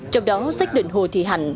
trong đó xét định hồ thị hạnh